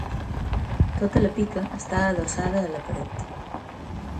Tota la pica està adossada a la paret.